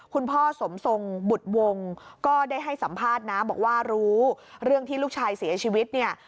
คุณพ่อสมทรงบุตรวงก็ได้ให้สัมภาษณ์นะบอกว่ารู้เรื่องที่ลูกชายเสียชีวิตเนี่ย